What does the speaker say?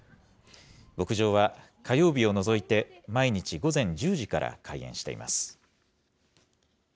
牧場は、火曜日を除いて、毎日午前１０時から開園しています。